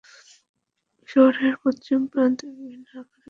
শহরের পশ্চিম প্রান্তে বিভিন্ন আকারের বেশ কিছু হ্রদ রয়েছে।